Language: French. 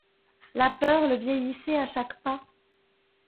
La peur le vieillissait à chaque pas.